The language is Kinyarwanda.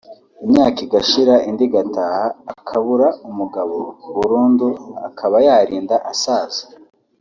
imyaka igashira indi igataha akabura umugabo burundu akaba yarinda asaza